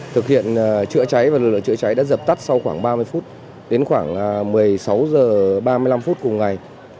thực hiện chữa cháy và lực lượng chữa cháy đã dập tắt sau khoảng ba mươi phút đến khoảng một mươi sáu h ba mươi năm phút cùng ngày